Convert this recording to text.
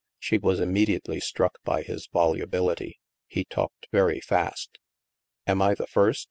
She was immediately struck by his volubility. He talked very fast. Am I the first